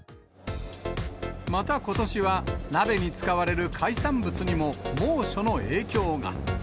またことしは、鍋に使われる海産物にも猛暑の影響が。